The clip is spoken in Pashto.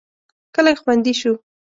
کلی خوندي شو.